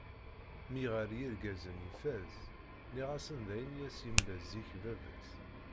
Mmi ɣer yirgazen ifaz, nniɣ-asen d ayen i as-yemla zik baba-s.